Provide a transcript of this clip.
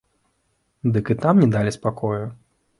Дык і там не далі спакою.